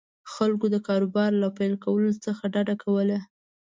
خلکو د کاروبار له پیل کولو څخه ډډه کوله.